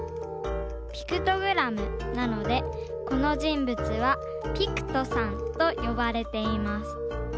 ピクトグラムなのでこのじんぶつはピクトさんとよばれています。